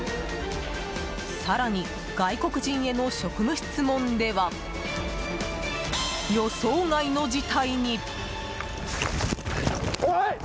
更に外国人への職務質問では予想外の事態に。